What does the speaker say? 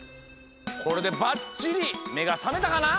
これでばっちりめがさめたかな？